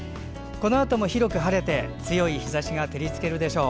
このあとも広く晴れて強い日ざしが照りつけるでしょう。